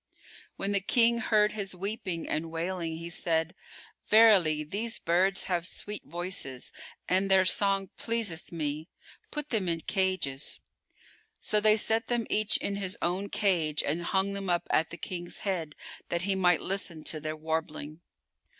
When the King heard his weeping and wailing, he said, "Verily these birds have sweet voices and their song pleaseth me: put them in cages." So they set them each in his own cage and hung them up at the King's head that he might listen to their warbling.